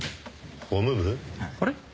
あれ？